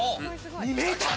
２ｍ。